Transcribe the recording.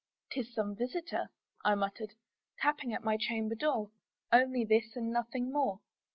"'Tis some visitor," I muttered, "tapping at my chamber door, Only this, and nothing more."